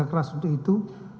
keras untuk itu